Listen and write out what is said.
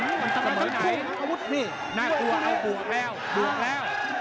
เสมอไหนดุงน้ำอาวุธนี่น่ะกลัวเอาบวกแล้วบวกแล้ว